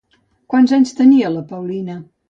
Quants anys tenia la Paulina?